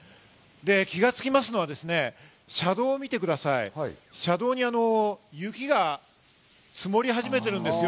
気が付きますのはですね、車道を見てください、車道に雪が積もり始めてるんですよ。